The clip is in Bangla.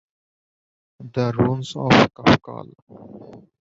The runes of কাফকাল।